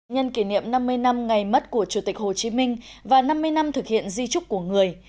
nhân kỷ niệm năm mươi năm ngày mất của chủ tịch hồ chí minh và năm mươi năm thực hiện di trúc của người